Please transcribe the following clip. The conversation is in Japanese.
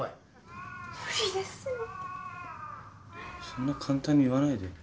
そんな簡単に言わないでよ。